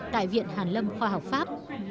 tại viện hàn lâm khoa học pháp